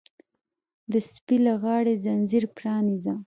د سپي له غاړې ځنځیر پرانیزه!